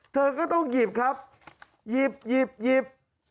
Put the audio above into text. เธอก็ต้องหยิบครับหยิบหยิบ